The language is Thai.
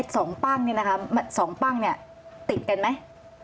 สองปั้งเนี่ยนะคะสองปั้งเนี่ยติดกันไหม